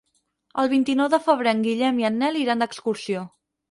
El vint-i-nou de febrer en Guillem i en Nel iran d'excursió.